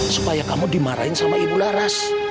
supaya kamu dimarahin sama ibu laras